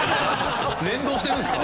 連動してるんですか？